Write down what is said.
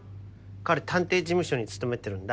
彼探偵事務所に勤めてるんだ。